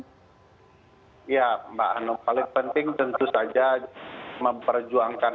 oleh masyarakat yang merasa keberatan dengan ru ini mungkin ada sedikit imbauan untuk mereka silakan bang